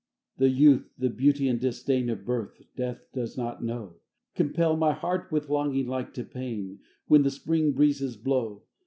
VIII The youth, the beauty and disdain Of birth, death does not know, Compel my heart with longing like to pain When the spring breezes blow.